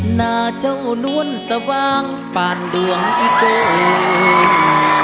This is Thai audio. หน้าเจ้าน้วนสว่างปานดวงอิโกน